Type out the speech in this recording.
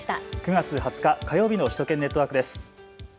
９月２０日火曜日の首都圏ネットワークです。